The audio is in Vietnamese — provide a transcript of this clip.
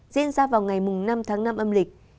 diễn ra vào ngày năm tháng năm âm lịch